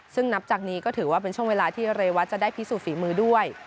ซึ่งนับจากนี้ก็ถือว่าเป็นช่วงเวลาที่เรวัตจะได้พิสูจนฝีมือด้วย